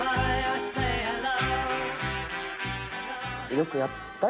よくやったよね